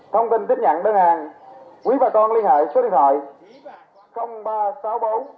thông tin tiếp nhận đơn hàng quý bà con liên hệ số điện thoại ba trăm sáu mươi bốn